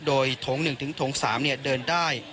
โดยถง๑๓เดินได้